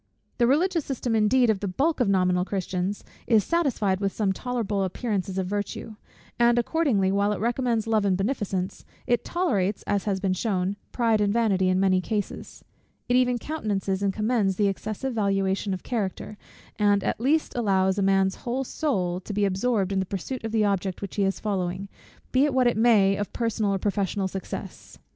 The religious system indeed of the bulk of nominal Christians is satisfied with some tolerable appearances of virtue: and accordingly, while it recommends love and beneficence, it tolerates, as has been shewn, pride and vanity in many cases; it even countenances and commends the excessive valuation of character; and at least allows a man's whole soul to be absorbed in the pursuit of the object which he is following, be it what it may of personal or professional success.